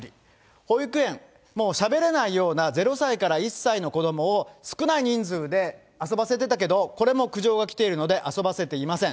保育園、もうしゃべれないような、０歳から１歳の子どもを少ない人数で遊ばせてたけど、これも苦情が来ているので、遊ばせていません。